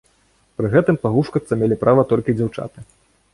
Пры гэтым пагушкацца мелі права толькі дзяўчаты.